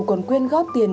còn quên góp tiền